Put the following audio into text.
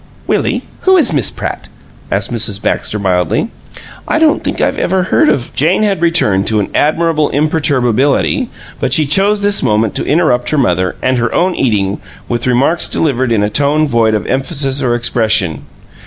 "Willie, who is Miss Pratt?" asked Mrs. Baxter, mildly. "I don't think I've ever heard of " Jane had returned to an admirable imperturbability, but she chose this moment to interrupt her mother, and her own eating, with remarks delivered in a tone void of emphasis or expression.